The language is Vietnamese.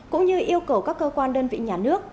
cũng như yêu cầu các cơ quan đơn vị nhà nước